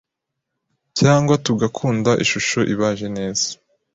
cyangwa tugakunda ishusho ibaje neza,